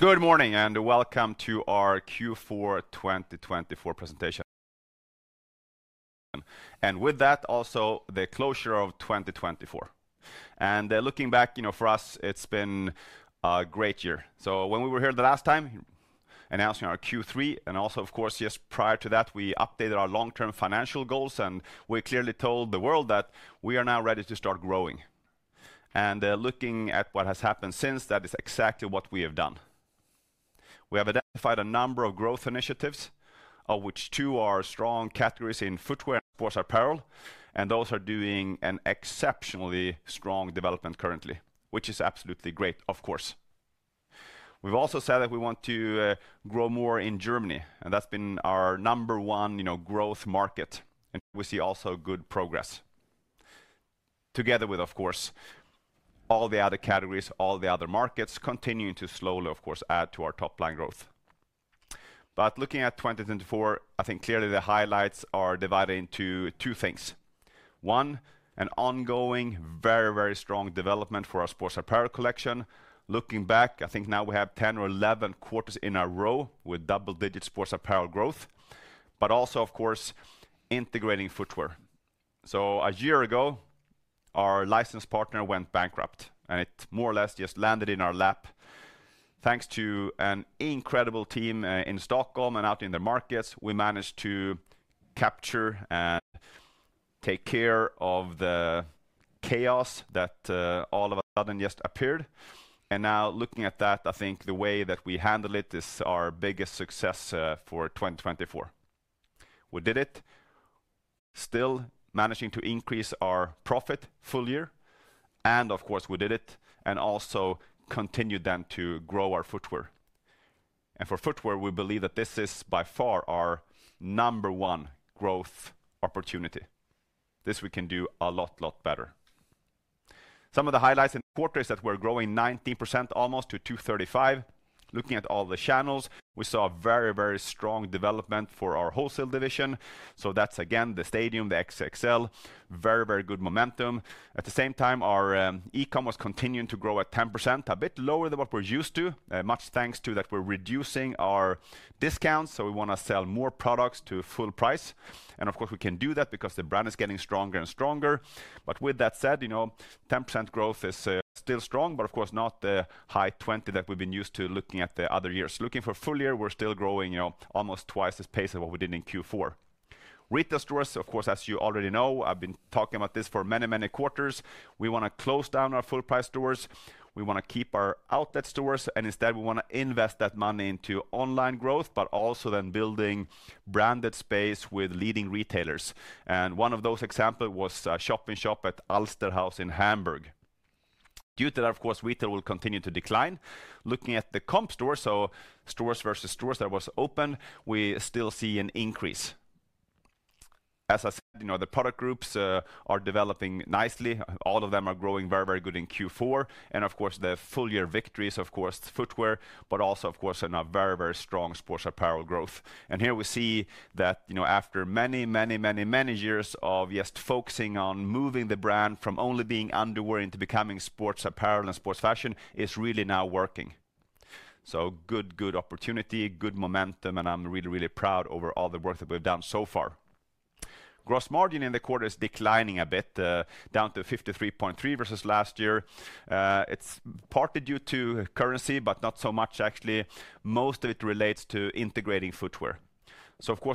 Good morning and welcome to our Q4 2024 presentation. With that, also the closure of 2024. Looking back for us, it's been a great year. When we were here the last time, announcing our Q3, and also, of course, just prior to that, we updated our long-term financial goals, and we clearly told the world that we are now ready to start growing. Looking at what has happened since, that is exactly what we have done. We have identified a number of growth initiatives, of which two are strong categories in footwear and sports apparel, and those are doing an exceptionally strong development currently, which is absolutely great, of course. We've also said that we want to grow more in Germany, and that's been our number one growth market. We see also good progress, together with, of course, all the other categories, all the other markets continuing to slowly, of course, add to our top-line growth. Looking at 2024 clearly the highlights are divided into two things. One, an ongoing very strong development for our sports apparel collection. Looking back, now we have 10 or 11 quarters in a row with double-digit sports apparel growth, also, of course, integrating footwear. A year ago, our licensed partner went bankrupt, and it more or less just landed in our lap. Thanks to an incredible team in Stockholm and out in the markets, we managed to capture and take care of the chaos that all of a sudden just appeared. Now looking at that the way that we handle it is our biggest success for 2024. We did it, still managing to increase our profit full year, and of course we did it, and also continued then to grow our footwear. For footwear, we believe that this is by far our number one growth opportunity. This we can do a lot, lot better. Some of the highlights in the quarter is that we're growing 19% almost to 235. Looking at all the channels, we saw a very strong development for our wholesale division. That's again the Stadium, the XXL, very good momentum. At the same time, our e-commerce continuing to grow at 10%, a bit lower than what we're used to, much thanks to that we're reducing our discounts, so we want to sell more products to full price. We can do that because the brand is getting stronger and stronger. With that said 10% growth is still strong, but of course not the high 20% that we've been used to looking at the other years. Looking for full year, we're still growing almost twice as fast as what we did in Q4. Retail stores, of course, as you already know, I've been talking about this for many, many quarters. We want to close down our full-price stores. We want to keep our outlet stores, and instead we want to invest that money into online growth, but also then building branded space with leading retailers. One of those examples was shop-in-shop at Alsterhaus in Hamburg. Due to that, of course, retail will continue to decline. Looking at the comp stores, so stores versus stores that were open, we still see an increase. As I said the product groups are developing nicely. All of them are growing very, very good in Q4. The full year victories, of course, footwear, but also, of course, a very, very strong sports apparel growth. Here we see that after many years of just focusing on moving the brand from only being underwear into becoming sports apparel and sports fashion, it's really now working. Good, good opportunity, good momentum, and I'm really, really proud over all the work that we've done so far. Gross margin in the quarter is declining a bit, down to 53.3% versus last year. It's partly due to currency, but not so much actually. Most of it relates to integrating footwear.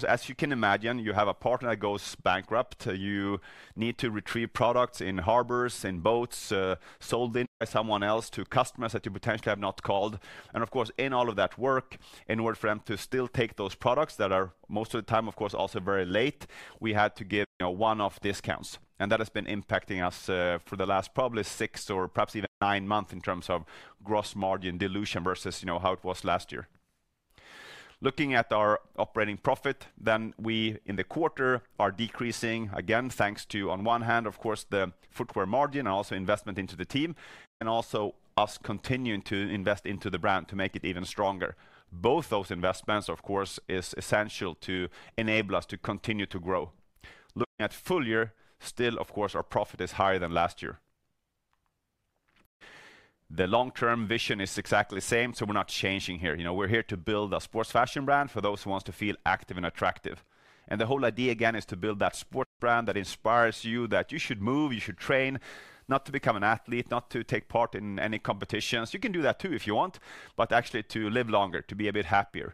As you can imagine, you have a partner that goes bankrupt. You need to retrieve products in harbors, in boats, sold in by someone else to customers that you potentially have not called. In all of that work, in order for them to still take those products that are most of the time, of course, also very late, we had to give one-off discounts. That has been impacting us for the last probably six or perhaps even nine months in terms of gross margin dilution versus how it was last year. Looking at our operating profit, then we in the quarter are decreasing again thanks to, on one hand, of course, the footwear margin and also investment into the team, and also us continuing to invest into the brand to make it even stronger. Both those investments, of course, are essential to enable us to continue to grow. Looking at full year, still, of course, our profit is higher than last year. The long-term vision is exactly the same, so we're not changing here. We're here to build a sports fashion brand for those who want to feel active and attractive. The whole idea again is to build that sports brand that inspires you, that you should move, you should train, not to become an athlete, not to take part in any competitions. You can do that too if you want, but actually to live longer, to be a bit happier.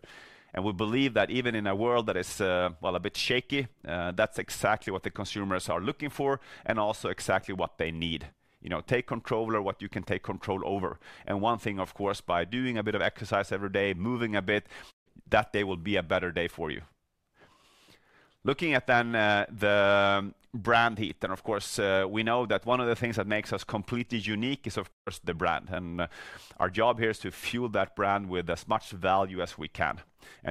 We believe that even in a world that is, well, a bit shaky, that's exactly what the consumers are looking for and also exactly what they need. Take control over what you can take control over. One thing, of course, by doing a bit of exercise every day, moving a bit, that day will be a better day for you. Looking at the brand heat, and of course, we know that one of the things that makes us completely unique is, of course, the brand. Our job here is to fuel that brand with as much value as we can.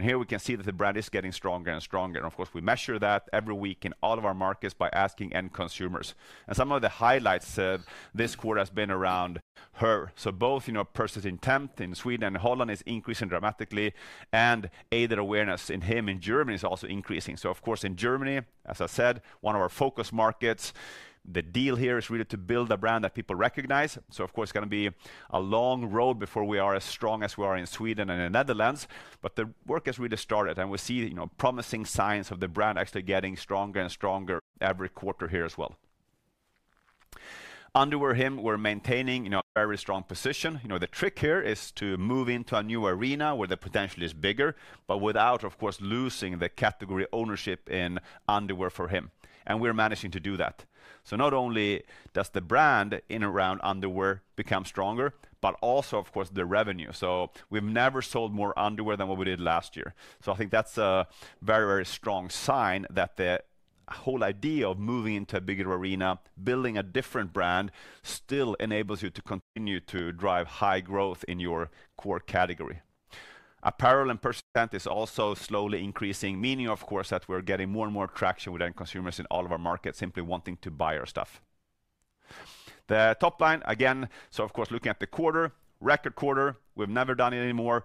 Here we can see that the brand is getting stronger and stronger. We measure that every week in all of our markets by asking end consumers. Some of the highlights this quarter have been around her. Both purchasing intent in Sweden and Holland is increasing dramatically, and aided awareness in him in Germany is also increasing. In Germany, as I said, one of our focus markets, the deal here is really to build a brand that people recognize. It's going to be a long road before we are as strong as we are in Sweden and the Netherlands. The work has really started, and we see promising signs of the brand actually getting stronger and stronger every quarter here as well. Underwear, him, we're maintaining a very strong position. The trick here is to move into a new arena where the potential is bigger, but without, of course, losing the category ownership in underwear for him. We're managing to do that. Not only does the brand in and around underwear become stronger, but also, of course, the revenue. We've never sold more underwear than what we did last year. That's a very, very strong sign that the whole idea of moving into a bigger arena, building a different brand, still enables you to continue to drive high growth in your core category. Apparel and purchasing intent is also slowly increasing, meaning, of course, that we're getting more and more traction with end consumers in all of our markets simply wanting to buy our stuff. The top line, again, of course, looking at the quarter, record quarter, we've never done it anymore.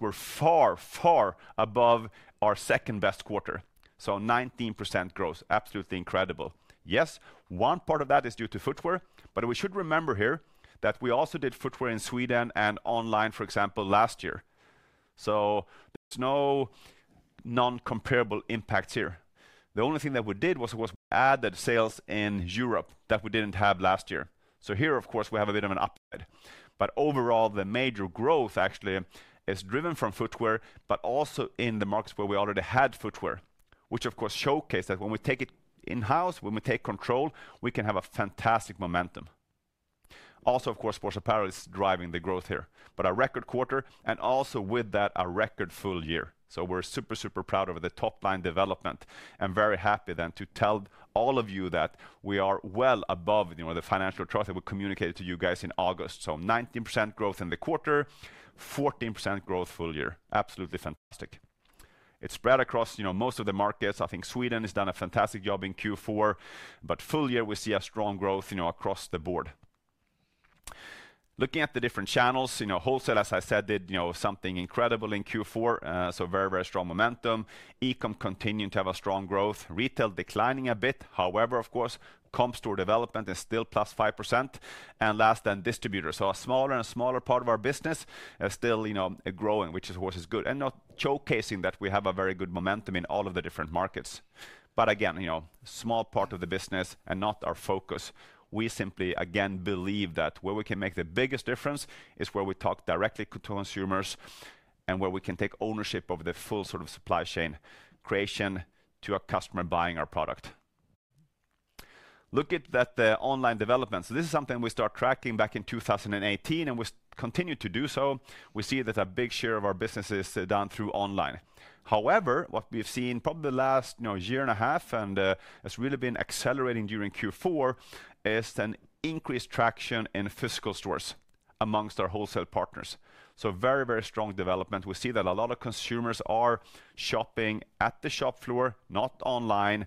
We're far, far above our second best quarter. Nineteen percent growth, absolutely incredible. Yes, one part of that is due to footwear, but we should remember here that we also did footwear in Sweden and online, for example, last year. There's no non-comparable impacts here. The only thing that we did was add the sales in Europe that we did not have last year. Here, of course, we have a bit of an upside. Overall, the major growth actually is driven from footwear, but also in the markets where we already had footwear, which of course showcased that when we take it in-house, when we take control, we can have a fantastic momentum. Also, of course, sports apparel is driving the growth here, a record quarter and also with that a record full year. We are super, super proud of the top-line development and very happy then to tell all of you that we are well above the financial charts that we communicated to you guys in August. Nineteen percent growth in the quarter, 14% growth full year. Absolutely fantastic. It is spread across most of the markets. Sweden has done a fantastic job in Q4, but full year we see a strong growth across the board. Looking at the different channels wholesale, as I said, did something incredible in Q4. Very, very strong momentum. E-com continuing to have a strong growth. Retail declining a bit. However, of course, comp store development is still plus 5%. Last, then distributors. A smaller and smaller part of our business is still growing, which is, of course, good. Not showcasing that we have a very good momentum in all of the different markets. Again small part of the business and not our focus. We simply, again, believe that where we can make the biggest difference is where we talk directly to consumers and where we can take ownership of the full supply chain creation to a customer buying our product. Look at that online development. This is something we started tracking back in 2018 and we continue to do so. We see that a big share of our business is done through online. However, what we've seen probably the last year and a half and has really been accelerating during Q4 is an increased traction in physical stores amongst our wholesale partners. Very, very strong development. We see that a lot of consumers are shopping at the shop floor, not online.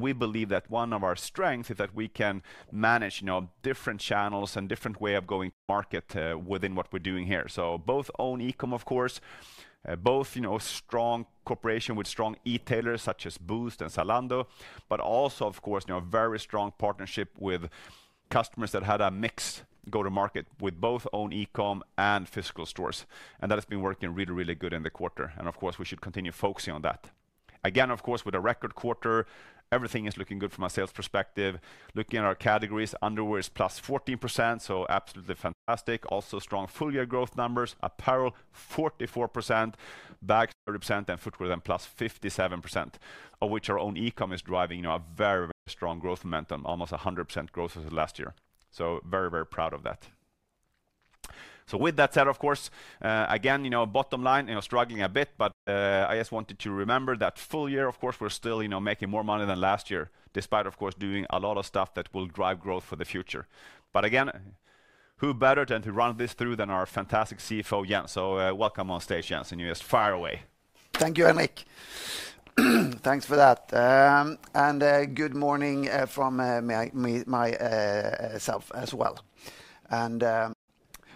We believe that one of our strengths is that we can manage different channels and different ways of going to market within what we're doing here. Both own e-com, of course, both strong cooperation with strong e-tailers such as Boozt and Zalando, but also, of course a very strong partnership with customers that had a mixed go-to-market with both own e-com and physical stores. That has been working really, really good in the quarter. We should continue focusing on that. Again, of course, with a record quarter, everything is looking good from a sales perspective. Looking at our categories, underwear is plus 14%, so absolutely fantastic. Also strong full year growth numbers. Apparel 44%, bags 30%, and footwear then plus 57%, of which our own e-com is driving a very, very strong growth momentum, almost 100% growth as of last year. Very, very proud of that. With that said, of course, again bottom line struggling a bit, but I just wanted to remember that full year, of course, we're still making more money than last year, despite, of course, doing a lot of stuff that will drive growth for the future. Again, who better than to run this through than our fantastic CFO, Jens. Welcome on stage, Jens. You are just far away. Thank you, Henrik. Thanks for that. Good morning from myself as well.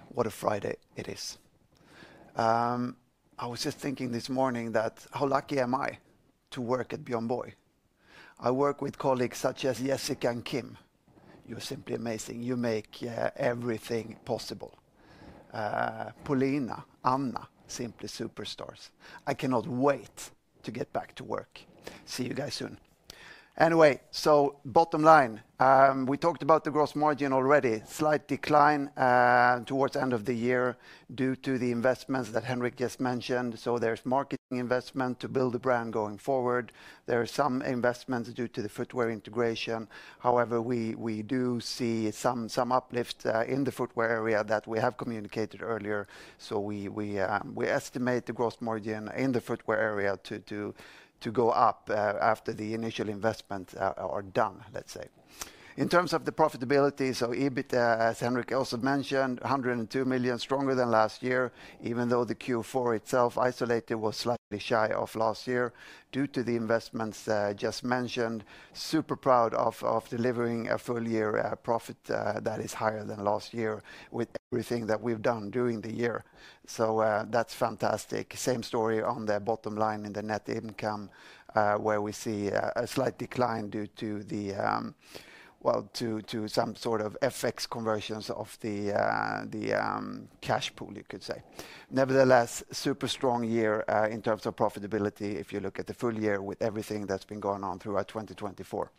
What a Friday it is. I was just thinking this morning that how lucky am I to work at Björn Borg. I work with colleagues such as Jessica and Kim. You're simply amazing. You make everything possible. Polina, Anna, simply superstars. I cannot wait to get back to work. See you guys soon. Anyway, bottom line, we talked about the gross margin already, slight decline towards the end of the year due to the investments that Henrik just mentioned. There is marketing investment to build the brand going forward. There are some investments due to the footwear integration. However, we do see some uplift in the footwear area that we have communicated earlier. We estimate the gross margin in the footwear area to go up after the initial investments are done, let's say. In terms of the profitability, EBIT, as Henrik also mentioned, 102 million stronger than last year, even though the Q4 itself isolated was slightly shy of last year due to the investments just mentioned. Super proud of delivering a full year profit that is higher than last year with everything that we've done during the year. That's fantastic. Same story on the bottom line in the net income, where we see a slight decline due to, well, to some FX conversions of the cash pool, you could say. Nevertheless, super strong year in terms of profitability if you look at the full year with everything that's been going on throughout 2024.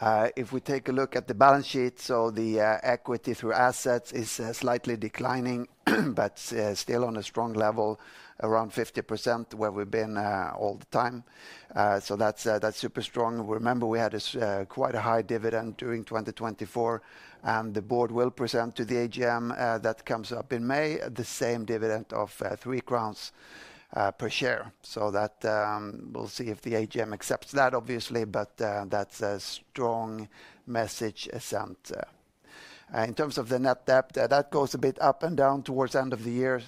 If we take a look at the balance sheet, the equity through assets is slightly declining, but still on a strong level, around 50% where we've been all the time. That's super strong. Remember, we had quite a high dividend during 2024, and the board will present to the AGM that comes up in May the same dividend of 3 crowns per share. We will see if the AGM accepts that, obviously, but that's a strong message sent. In terms of the net debt, that goes a bit up and down towards the end of the year,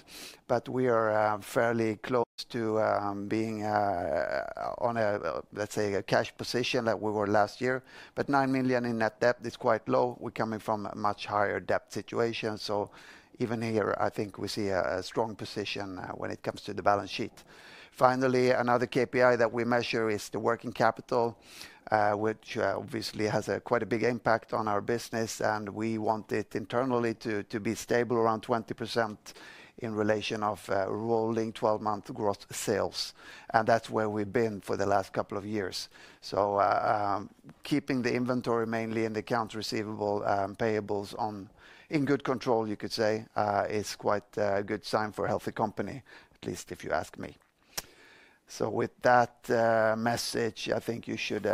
but we are fairly close to being on a, let's say, a cash position that we were last year. 9 million in net debt is quite low. We're coming from a much higher debt situation. Even here, we see a strong position when it comes to the balance sheet. Finally, another KPI that we measure is the working capital, which obviously has quite a big impact on our business, and we want it internally to be stable around 20% in relation to rolling 12-month gross sales. That's where we've been for the last couple of years. Keeping the inventory mainly in the accounts receivable payables in good control, you could say, is quite a good sign for a healthy company, at least if you ask me. With that message you should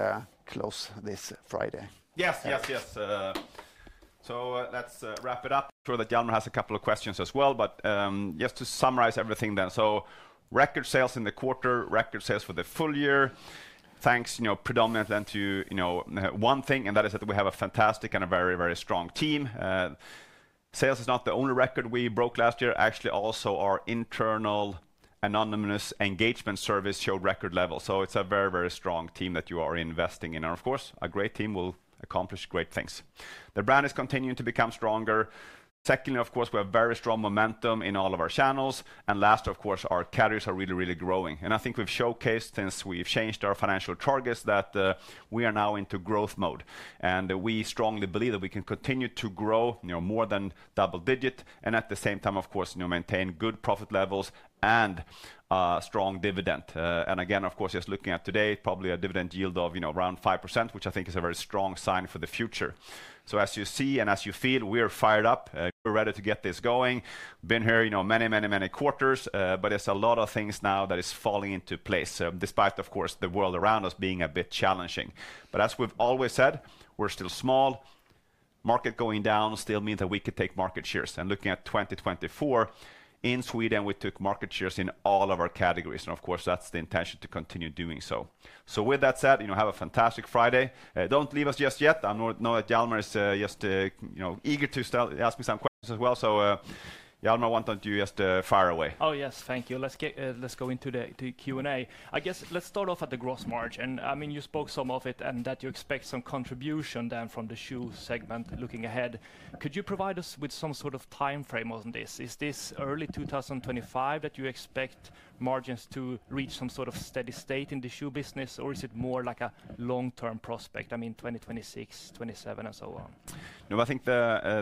close this Friday. Yes. Let's wrap it up. I'm sure that Hjalmar has a couple of questions as well, but just to summarize everything then. Record sales in the quarter, record sales for the full year. Thanks, predominantly then to one thing, and that is that we have a fantastic and a very, very strong team. Sales is not the only record we broke last year. Actually, also our internal anonymous engagement service showed record levels. It is a very strong team that you are investing in. A great team will accomplish great things. The brand is continuing to become stronger. Secondly, of course, we have very strong momentum in all of our channels. Last, of course, our carriers are really, really growing. We've showcased since we've changed our financial targets that we are now into growth mode. We strongly believe that we can continue to grow more than double digit. At the same time, of course maintain good profit levels and a strong dividend. Again, of course, just looking at today, probably a dividend yield of around 5%, which is a very strong sign for the future. As you see and as you feel, we're fired up. We're ready to get this going. Been here many quarters, but there's a lot of things now that are falling into place, despite, of course, the world around us being a bit challenging. As we've always said, we're still small. Market going down still means that we could take market shares. Looking at 2024, in Sweden, we took market shares in all of our categories. That's the intention to continue doing so. With that said have a fantastic Friday. Don't leave us just yet. I know that Hjalmar is just eager to ask me some questions as well. Hjalmar, why don't you just fire away? Oh, yes, thank you. Let's get, let's go into the Q&A. Let's start off at the gross margin. You spoke some of it and that you expect some contribution then from the shoe segment looking ahead. Could you provide us with some time frame on this? Is this early 2025 that you expect margins to reach some steady state in the shoe business, or is it more like a long-term prospect 2026, 2027, and so on? No,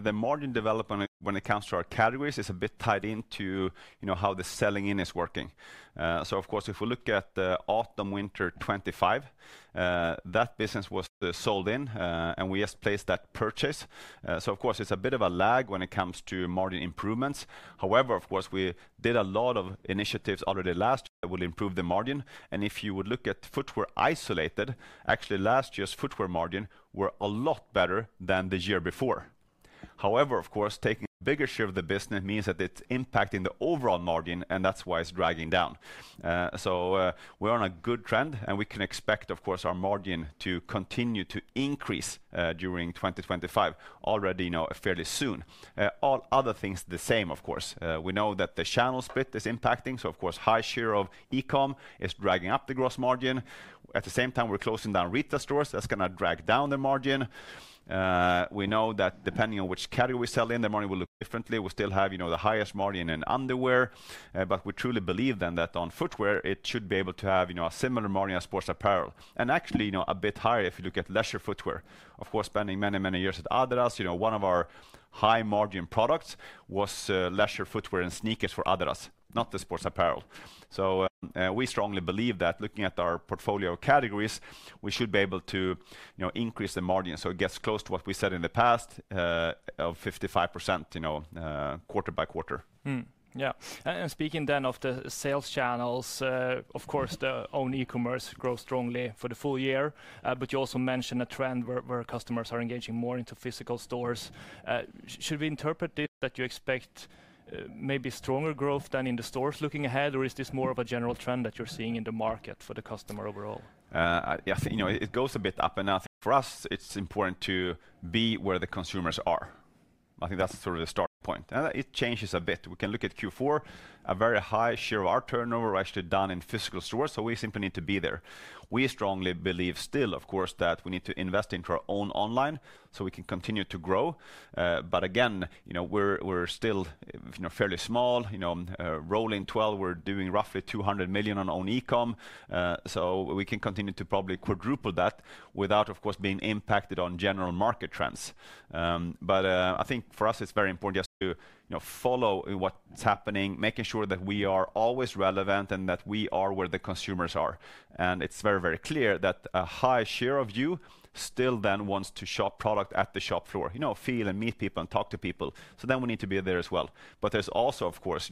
the margin development when it comes to our categories is a bit tied into how the selling in is working. If we look at Autumn Winter 2025, that business was sold in and we just placed that purchase. It is a bit of a lag when it comes to margin improvements. However, of course, we did a lot of initiatives already last year that would improve the margin. If you would look at footwear isolated, actually last year's footwear margin were a lot better than the year before. However, of course, taking a bigger share of the business means that it's impacting the overall margin and that's why it's dragging down. We're on a good trend and we can expect, of course, our margin to continue to increase during 2025 already fairly soon. All other things the same, of course. We know that the channel split is impacting. High share of e-com is dragging up the gross margin. At the same time, we're closing down retail stores. That's going to drag down the margin. We know that depending on which category we sell in, the margin will look differently. We still have the highest margin in underwear. We truly believe then that on footwear, it should be able to have a similar margin as sports apparel. Actually a bit higher if you look at leisure footwear. Spending many, many years at Adidas, one of our high margin products was leisure footwear and sneakers for Adidas, not the sports apparel. We strongly believe that looking at our portfolio categories, we should be able to increase the margin. It gets close to what we said in the past of 55% quarter by quarter. Yeah. Speaking then of the sales channels, of course, the own e-commerce grows strongly for the full year. You also mentioned a trend where customers are engaging more into physical stores. Should we interpret that you expect maybe stronger growth than in the stores looking ahead, or is this more of a general trend that you're seeing in the market for the customer overall? Yeah, it goes a bit up and down. For us, it's important to be where the consumers are. That's the starting point. It changes a bit. We can look at Q4, a very high share of our turnover actually done in physical stores. We simply need to be there. We strongly believe still, of course, that we need to invest into our own online so we can continue to grow. Again we're still fairly small rolling 12. We're doing roughly 200 million on own e-com. We can continue to probably quadruple that without, of course, being impacted on general market trends. For us, it's very important just to follow what's happening, making sure that we are always relevant and that we are where the consumers are. It's very, very clear that a high share of you still then wants to shop product at the shop floor feel and meet people and talk to people. We need to be there as well. There's also, of course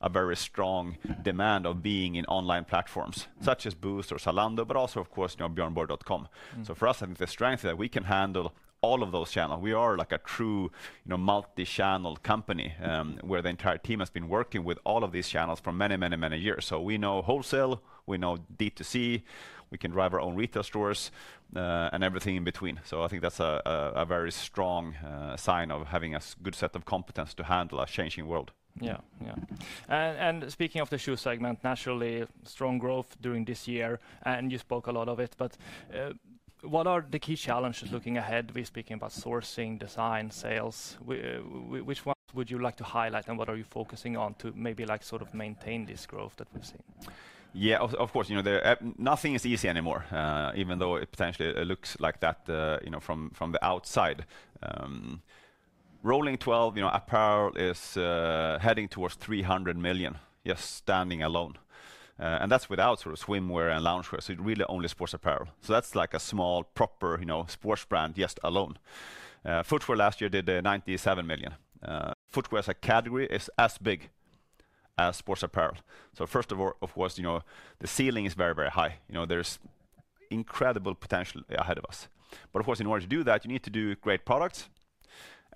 a very strong demand of being in online platforms such as Boozt or Zalando, but also, of course Björn Borg.com. For us, the strength is that we can handle all of those channels. We are like a true multi-channel company where the entire team has been working with all of these channels for many years. We know wholesale, we know D2C, we can drive our own retail stores and everything in between. That's a very strong sign of having a good set of competence to handle a changing world. Yeah. Speaking of the shoe segment, naturally, strong growth during this year, and you spoke a lot of it, but what are the key challenges looking ahead? We're speaking about sourcing, design, sales. Which ones would you like to highlight and what are you focusing on to maybe like maintain this growth that we've seen? Yeah, of course nothing is easy anymore, even though it potentially looks like that from the outside. Rolling 12 apparel is heading towards 300 million, just standing alone. And that's without swimwear and loungewear. It really only sports apparel. That's like a small proper sports brand, just alone. Footwear last year did 97 million. Footwear as a category is as big as sports apparel. First of all, of course, the ceiling is very high. There's incredible potential ahead of us. In order to do that, you need to do great products.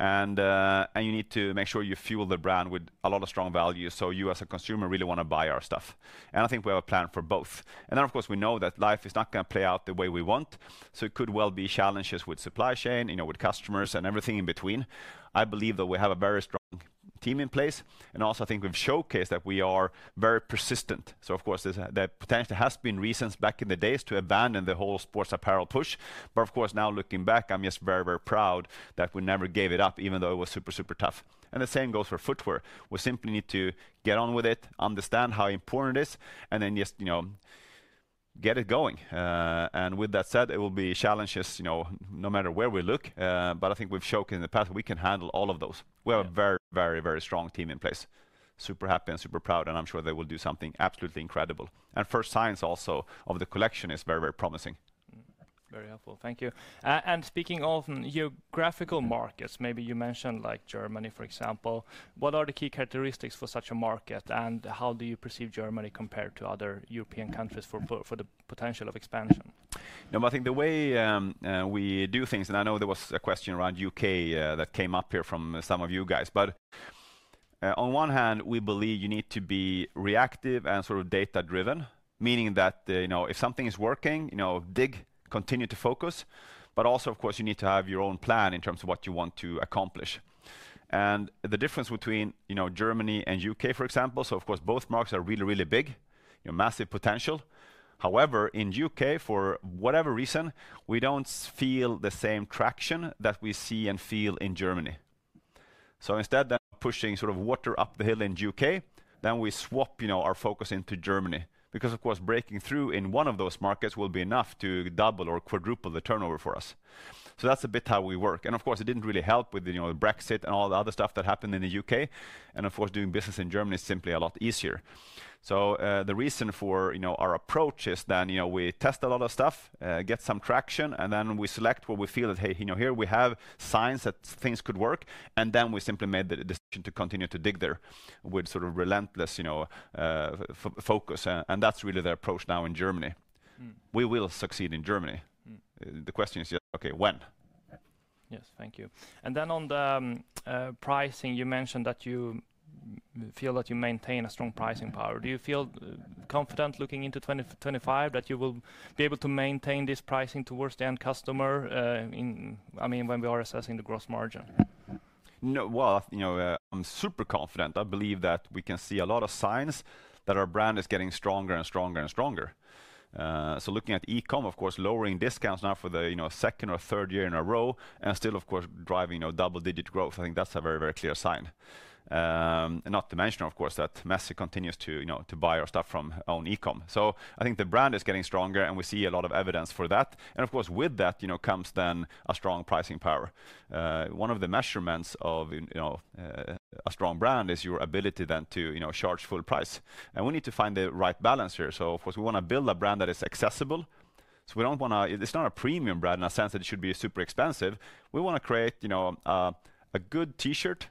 You need to make sure you fuel the brand with a lot of strong value. You as a consumer really want to buy our stuff. We have a plan for both. We know that life is not going to play out the way we want. It could well be challenges with supply chain with customers and everything in between. I believe that we have a very strong team in place. Also, we've showcased that we are very persistent. There potentially has been reasons back in the days to abandon the whole sports apparel push. Now looking back, I'm just very proud that we never gave it up, even though it was super, super tough. The same goes for footwear. We simply need to get on with it, understand how important it is, and then just get it going. With that said, it will be challenges, no matter where we look. We've shown in the past we can handle all of those. We have a very strong team in place. Super happy and super proud. I'm sure they will do something absolutely incredible. First signs also of the collection are very promising. Very helpful. Thank you. Speaking of your geographical markets, maybe you mentioned like Germany, for example. What are the key characteristics for such a market? How do you perceive Germany compared to other European countries for the potential of expansion? The way we do things, and I know there was a question around the U.K. that came up here from some of you guys, on one hand, we believe you need to be reactive and data-driven, meaning that if something is working dig, continue to focus. You need to have your own plan in terms of what you want to accomplish. The difference between Germany and the U.K., for example, is of course, both markets are really, really big massive potential. However, in the U.K., for whatever reason, we do not feel the same traction that we see and feel in Germany. Instead of pushing water up the hill in the U.K., we swap our focus into Germany because, of course, breaking through in one of those markets will be enough to double or quadruple the turnover for us. That is a bit how we work. It did not really help with the Brexit and all the other stuff that happened in the U.K. Doing business in Germany is simply a lot easier. The reason for our approach is then we test a lot of stuff, get some traction, and then we select what we feel that, hey here we have signs that things could work. We simply made the decision to continue to dig there with relentless focus. That is really the approach now in Germany. We will succeed in Germany. The question is just, okay, when? Yes, thank you. On the pricing, you mentioned that you feel that you maintain a strong pricing power. Do you feel confident looking into 2025 that you will be able to maintain this pricing towards the end customer in, I mean, when we are assessing the gross margin? No, I'm super confident. We can see a lot of signs that our brand is getting stronger and stronger and stronger. Looking at e-com, of course, lowering discounts now for the second or third year in a row and still, of course, driving double-digit growth. That's a very clear sign. Not to mention, of course, that Messi continues to buy our stuff from own e-com. The brand is getting stronger and we see a lot of evidence for that. With that comes then a strong pricing power. One of the measurements of a strong brand is your ability then to charge full price. We need to find the right balance here. We want to build a brand that is accessible. We do not want to, it is not a premium brand in the sense that it should be super expensive. We want to create a good t-shirt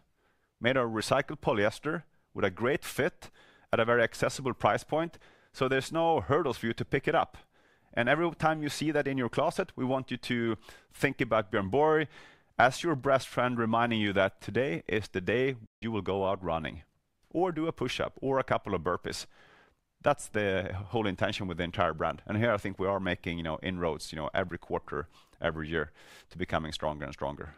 made of recycled polyester with a great fit at a very accessible price point. There are no hurdles for you to pick it up. Every time you see that in your closet, we want you to think about Björn Borg as your best friend reminding you that today is the day you will go out running or do a push-up or a couple of burpees. That is the whole intention with the entire brand. Here, we are making inroads every quarter, every year to becoming stronger and stronger.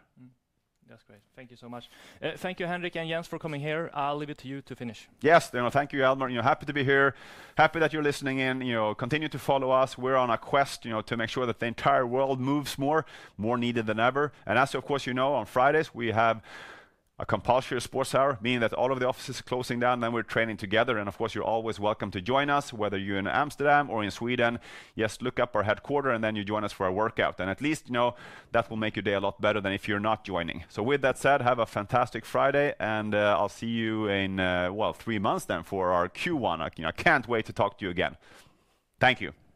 That is great. Thank you so much. Thank you, Henrik and Jens, for coming here. I will leave it to you to finish. Yes, thank you, Hjalmar. You're happy to be here. Happy that you're listening in. Continue to follow us. We're on a quest to make sure that the entire world moves more, more needed than ever. As of course on Fridays, we have a compulsory sports hour, meaning that all of the offices are closing down. We're training together. You're always welcome to join us, whether you're in Amsterdam or in Sweden. Just look up our headquarter and then you join us for our workout. At least that will make your day a lot better than if you're not joining. With that said, have a fantastic Friday and I'll see you in, well, three months then for our Q1. I can't wait to talk to you again. Thank you.